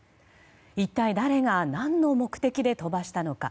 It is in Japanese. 一体、誰が何の目的で飛ばしたのか。